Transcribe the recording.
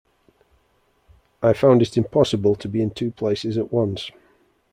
I found it impossible to be in two places at once.